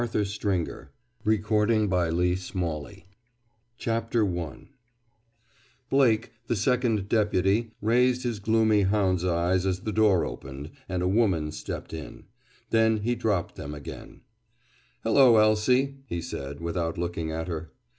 Published, January, 1913 THE SHADOW I Blake, the Second Deputy, raised his gloomy hound's eyes as the door opened and a woman stepped in. Then he dropped them again. "Hello, Elsie!" he said, without looking at her.